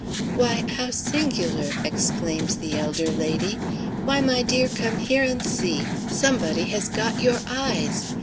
"Why, how singular!" exclaims the elder lady. "Why, my dear, come here and see! Somebody has got your eyes!